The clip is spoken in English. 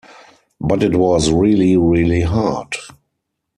But it was really, really hard.